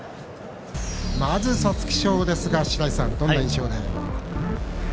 まず皐月賞ですが、白井さんどんな印象で？